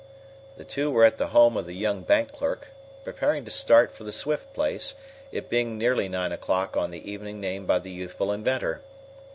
The two were at the home of the young bank clerk, preparing to start for the Swift place, it being nearly nine o'clock on the evening named by the youthful inventor.